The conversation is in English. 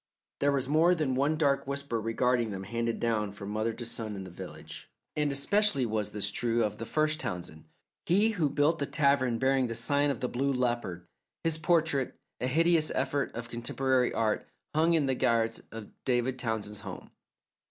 There was more than one dark whisper regarding them handed down from mother to son in the village, and especially was this true of the first Townsend, he who built the tavern bearing the Sign of the Blue Leopard. His portrait, a hideous effort of contemporary art, hung in the garret of David Townsend's home.